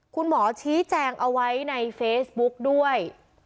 คุณหมอชี้แจงเอาไว้ในเฟซบุ๊กด้วย